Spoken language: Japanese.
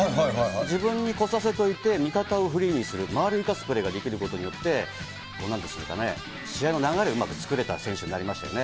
自分に来させといて、味方をフリーにする、周りを生かすプレーができることによって、試合の流れをうまく作れた選手になりましたよね。